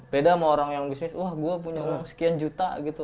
beda sama orang yang bisnis wah gue punya uang sekian juta gitu